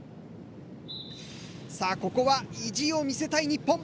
さぁここは意地を見せたい日本。